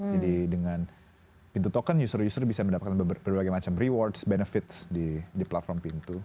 jadi dengan pintu token user user bisa mendapatkan berbagai macam rewards benefits di platform